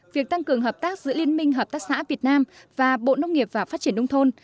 việc tăng cường hợp tác giữa liên minh hợp tác xã việt nam và bộ nông nghiệp và phát triển nông thôn